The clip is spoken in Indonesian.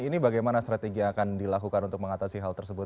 ini bagaimana strategi yang akan dilakukan untuk mengatasi hal tersebut